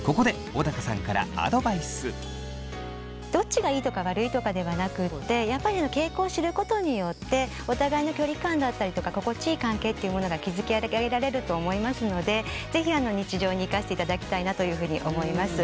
ここでどっちがいいとか悪いとかではなくってやっぱり傾向を知ることによってお互いの距離感だったりとか心地いい関係っていうものが築き上げられると思いますので是非日常に生かしていただきたいなというふうに思います。